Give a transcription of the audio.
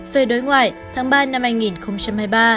về đối ngoại tháng ba năm hai nghìn hai mươi ba